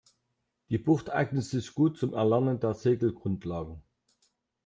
Die Bucht eignet sich gut zum Erlernen der Segelgrundlagen.